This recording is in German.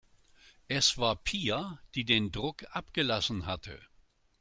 Es war Pia, die den Druck abgelassen hatte.